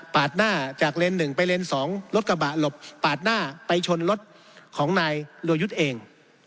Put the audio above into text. หน้าจากเลนส์๑ไปเลนส์๒รถกระบะหลบปาดหน้าไปชนรถของนายรัวยุทธ์เอง